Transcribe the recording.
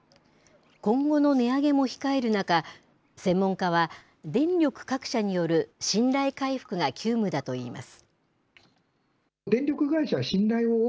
今後の値上げも控える中専門家は、電力各社による信頼回復が急務だと言います。